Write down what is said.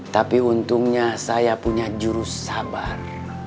tapi untungnya saya punya jurus sabar